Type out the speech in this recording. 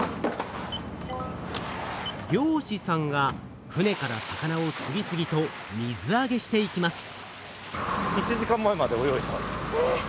漁師さんが船から魚を次々と水あげしていきます。